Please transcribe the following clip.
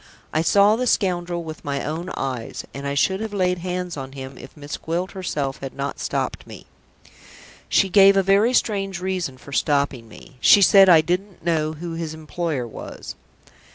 I saw the scoundrel with my own eyes, and I should have laid hands on him, if Miss Gwilt herself had not stopped me. She gave a very strange reason for stopping me. She said I didn't know who his employer was."